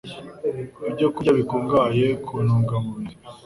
ibyokurya bikungahaye ku ntungamubiri,